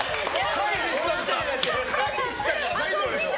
回避したから大丈夫でしょ！